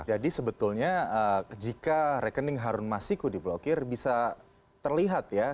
jadi sebetulnya jika rekening harun masiku diblokir bisa terlihat ya